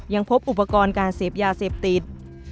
ยังพบอุปกรณ์การเสพยาเสพติด